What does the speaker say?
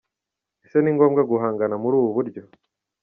Ese ni ngombwa guhangana muri ubu buryo?